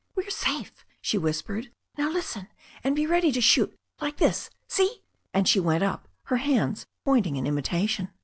"We are safe," she whispered. "Now listen, and be ready to shoot, like this, see," and up went her pointing hands in imitation.